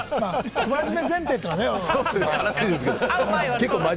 不真面目前提というのはね。